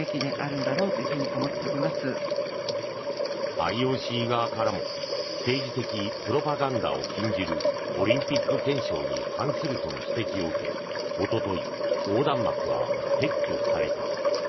ＩＯＣ側からも政治的プロパガンダを禁じるオリンピック憲章に反するとの指摘を受けおととい、横断幕は撤去された。